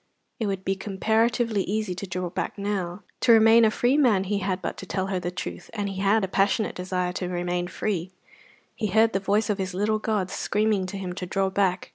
It would be comparatively easy to draw back now. To remain a free man he had but to tell her the truth; and he had a passionate desire to remain free. He heard the voices of his little gods screaming to him to draw back.